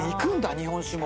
日本酒も。